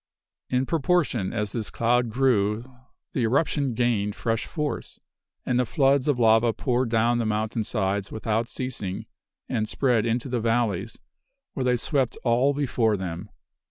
"In proportion as this cloud grew the eruption gained fresh force, and the floods of lava poured down the mountain sides without ceasing, and spread into the valleys, where they swept all before them.